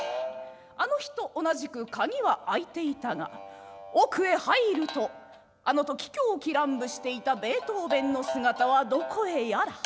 あの日と同じく鍵は開いていたが奥へ入るとあの時狂喜乱舞していたベートーヴェンの姿はどこへやら。